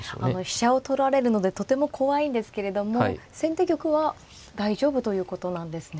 飛車を取られるのでとても怖いんですけれども先手玉は大丈夫ということなんですね。